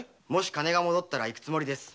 金が戻ったら行くつもりです。